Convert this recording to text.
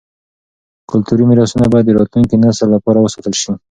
کلتوري میراثونه باید د راتلونکي نسل لپاره وساتل شي.